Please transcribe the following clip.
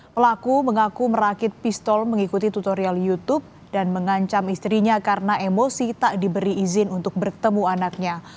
pelaku mengaku merakit pistol mengikuti tutorial youtube dan mengancam istrinya karena emosi tak diberi izin untuk bertemu anaknya